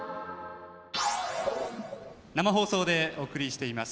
・生放送でお送りしています。